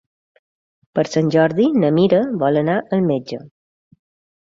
Per Sant Jordi na Mira vol anar al metge.